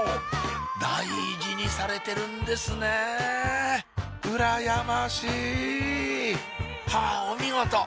大事にされてるんですねぇうらやましいはぁお見事！